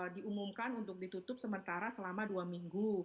diumumkan untuk ditutup sementara selama dua minggu